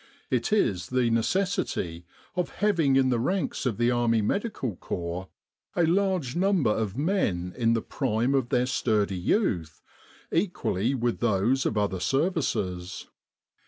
It is the necessity of having in the ranks of the Army Medical Corps a large number of men in the prime of their sturdy youth, equally with those of other services.